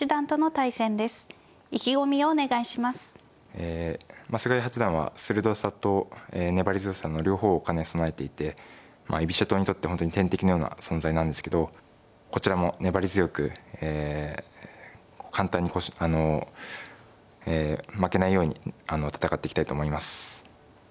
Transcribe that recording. え菅井八段は鋭さと粘り強さの両方を兼ね備えていて居飛車党にとって本当に天敵のような存在なんですけどこちらも粘り強くえ簡単にあのえ負けないように戦っていきたいと思います。